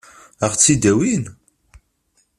Ad ɣ-tt-id-awin?